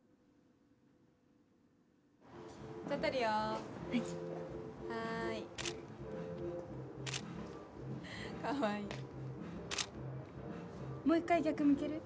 じゃあ撮るよはいはーいかわいいもう一回逆向ける？